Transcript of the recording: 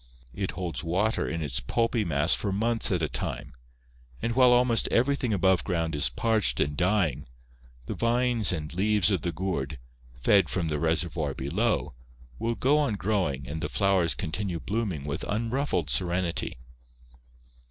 It holds water in its pulpy mass for months at a time, and while almost everything above ground is parched and dying, the vines and leaves of the gourd, fed from the reservoir below, will go on growing and the flowers continue blooming with unruffled serenity.